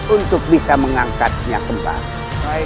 untuk bisa mengangkatnya kembali